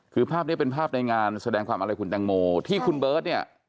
คือภาพนี้เป็นภาพในงานแสดงความอะไรคุณแตงโมที่คุณเบิร์ตเนี่ย